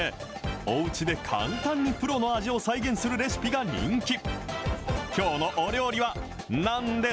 おうちで簡単にプロの味を再現するレシピが人気。